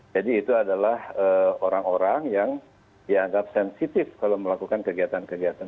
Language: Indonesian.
jadi itu adalah orang orang yang dianggap sensitif kalau melakukan kegiatan kegiatan